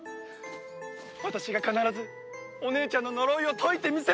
私が必ずお姉ちゃんの呪いを解いてみせる！